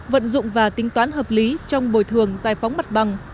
vận dụng và tính toán hợp lý trong bồi thường giải phóng mặt bằng